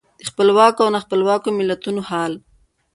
د خپلواکو او نا خپلواکو ملتونو حال.